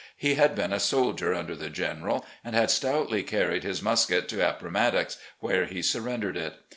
He had been a soldier under the General, and had stoutly carried his mus ket to Appomatox, where he surrendered it.